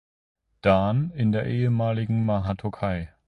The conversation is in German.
Dan in der ehemaligen Mahatokai.